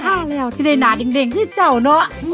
ข้าวแล้วที่ได้หนาดิ่งที่เจ้าเนอะ